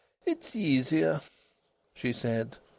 "It's easier," she said.